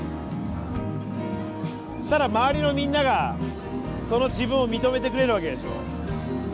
そしたら周りのみんながその自分を認めてくれる訳でしょ。